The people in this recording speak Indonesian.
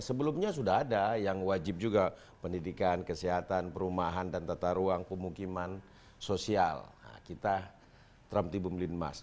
sebelumnya sudah ada yang wajib juga pendidikan kesehatan perumahan dan tata ruang pemukiman sosial kita tram tibum linmas